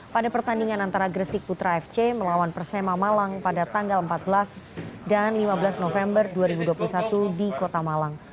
pada pertandingan antara gresik putra fc melawan persema malang pada tanggal empat belas dan lima belas november dua ribu dua puluh satu di kota malang